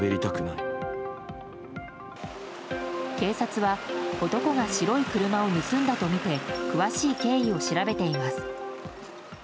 警察は男が白い車を盗んだとみて詳しい経緯を調べています。